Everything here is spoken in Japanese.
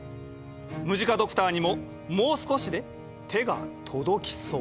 ムジカドクターにももう少しで手が届きそう」。